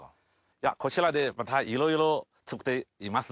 いやこちらでまだいろいろ作っていますので。